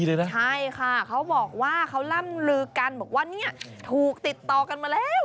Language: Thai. ใช่ค่ะเขาบอกว่าเขาล่ำลือกันบอกว่าเนี่ยถูกติดต่อกันมาแล้ว